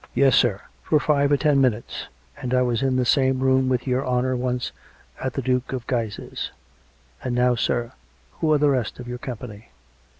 " Yes, sir ; for five or ten minutes ; and I was in the same room with your honour once at the Duke of Guise's. ... And now, sir, who are the rest of your company?"